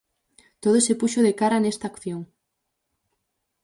Todo se puxo de cara nesta acción.